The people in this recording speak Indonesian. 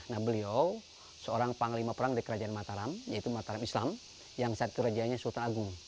nah beliau seorang panglima perang dari kerajaan mataram yaitu mataram islam yang satu kerajaannya sultan agung